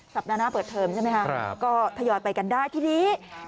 หน้าเปิดเทอมใช่ไหมคะก็ทยอยไปกันได้ทีนี้